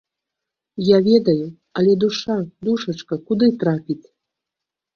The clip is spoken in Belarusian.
Я ведаю, але душа, душачка куды трапіць?